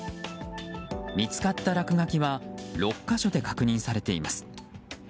見つかった落書きは６か所で確認されています。